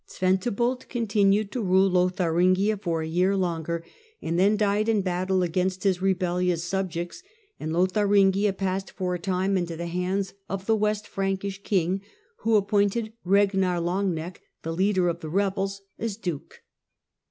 Zwenti bold continued to rule Lotharingia for a year longer, and then died in battle against his rebellious subjects, and Lotharingia passed for a time into the hands of the West Frankish king, who appointed Keginar Long neck, the leader of the rebels, as duke.